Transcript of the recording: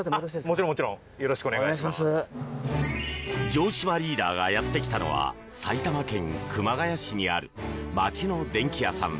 城島リーダーがやってきたのは埼玉県熊谷市にある町の電気屋さん